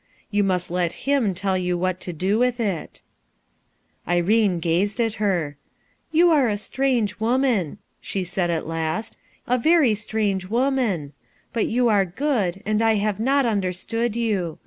y must let Him tell you what to do with it " Irene gazed at her, "You arc a Strang woman/ 1 she said at last, "a very stran woman; but you are good, and I have not understood you.